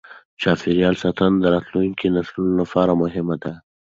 چاپیریال ساتنه د راتلونکې نسلونو لپاره مهمه ده.